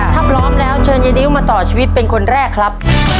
ถ้าพร้อมแล้วเชิญยายนิวมาต่อชีวิตเป็นคนแรกครับ